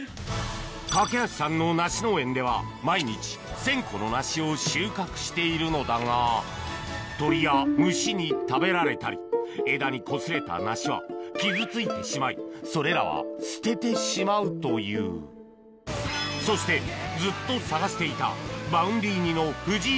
梯さんの梨農園では毎日１０００個の梨を収穫しているのだが鳥や虫に食べられたり枝にこすれた梨は傷ついてしまいそれらは捨ててしまうというそしてずっと探していたＶａｕｎｄｙ似の藤井さん